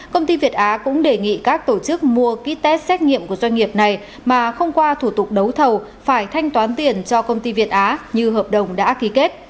công ty việt á cũng đề nghị các tổ chức mua ký test xét nghiệm của doanh nghiệp này mà không qua thủ tục đấu thầu phải thanh toán tiền cho công ty việt á như hợp đồng đã ký kết